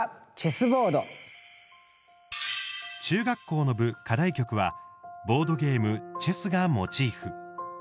中学校の部、課題曲はボードゲーム、チェスがモチーフ。